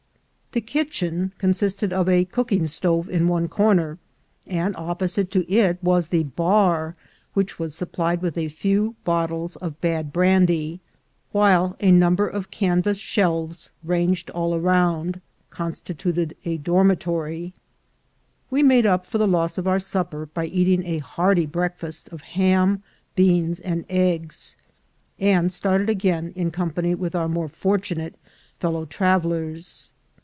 The kitchen consisted of a cooking stove in one corner, and opposite to it was the bar, which was supplied with a few bottles of bad brandy, while a number of canvas shelves, ranged all round, constituted the dormitory. We made up for the loss of our supper by eating a hearty breakfast of ham, beans, and eggs, and started again in company with our more fortunate fellow travelers.